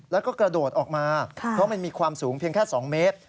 แล้วก็กระโดดออกมาเพราะมันมีความสูงเพียงแค่๒เมตร